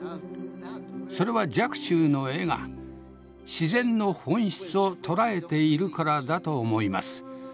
それは若冲の絵が自然の本質を捉えているからだと思います。